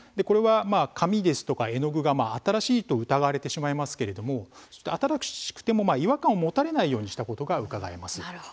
紙ですとか絵の具が新しいと疑われてしまいますが新しくても違和感を持たれないようにしたことがうかがえます。